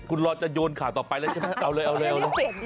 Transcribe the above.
คุณรอจะโยนข่าวต่อไปเอาเลย